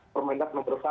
permendag no satu